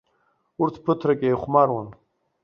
Урҭ ԥыҭрак еихәмаруан.